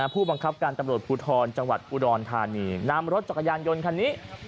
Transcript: ผู้บังคับการตำรวจภูทรจังหวัดอุดรธานีนำรถจักรยานยนต์คันนี้